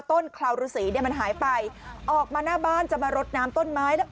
คลาวรุษีเนี่ยมันหายไปออกมาหน้าบ้านจะมารดน้ำต้นไม้แล้ว